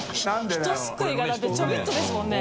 ▲張魁ひとすくいがだってちょびっとですもんね。